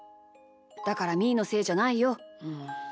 だから、みーのせいじゃないよ。